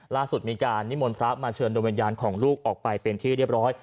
ล่าสุดมีการนิมนต์พระมาเชิญโดยวิญญาณของลูกออกไปเป็นที่เรียบร้อย